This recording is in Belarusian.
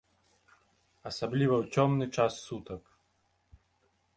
Асабліва ў цёмны час сутак.